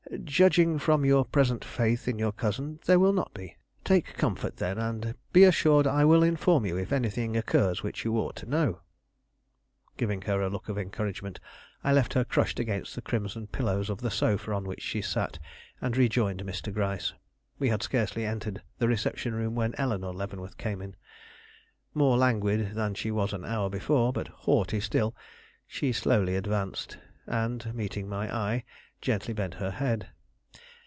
Judging from your present faith in your cousin, there will not be. Take comfort, then, and be assured I will inform you if anything occurs which you ought to know." Giving her a look of encouragement, I left her crushed against the crimson pillows of the sofa on which she sat, and rejoined Mr. Gryce. We had scarcely entered the reception room when Eleanore Leavenworth came in. More languid than she was an hour before, but haughty still, she slowly advanced, and, meeting my eye, gently bent her head.